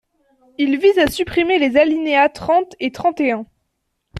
Il vise à supprimer les alinéas trente et trente et un.